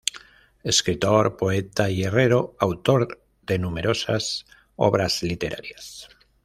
Escritor, poeta y herrero autor de numerosas obras literarias.